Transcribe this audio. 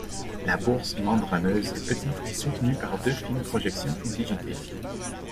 La bourse membraneuse est petite et soutenue par deux fines projections digitées.